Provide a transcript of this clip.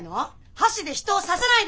箸で人を指さないで！